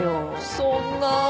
そんな。